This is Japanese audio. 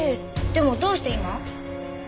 でもどうして今？